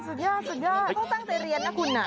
สุดยอดสุดยอดต้องตั้งใจเรียนนะคุณ